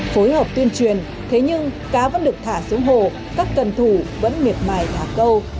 phối hợp tuyên truyền thế nhưng cá vẫn được thả xuống hồ các cần thủ vẫn miệt mài thả câu